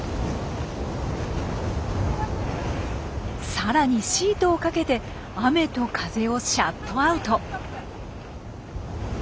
さらにシートをかけて雨と風をシャットアウト。